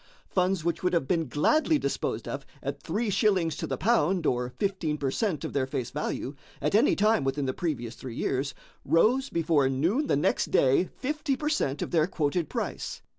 Funds which would have been gladly disposed of at three shillings to the pound, or fifteen per cent. of their face value, at any time within the previous three years, rose before noon the next day fifty per cent. of their quoted price.